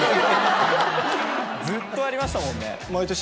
ずっとありましたもんね。